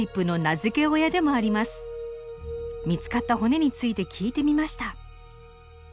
見つかった骨について聞いてみました。